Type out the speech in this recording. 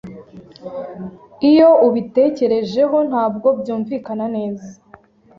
Iyo ubitekerejeho ntabwo byumvikana neza.